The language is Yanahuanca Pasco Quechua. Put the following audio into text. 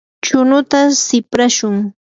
chunuta siprashun.